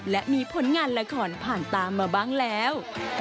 และมีผลงานละครผ่านตามมาบ้างแล้ว